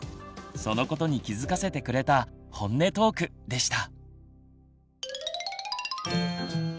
そのことに気付かせてくれたホンネトークでした！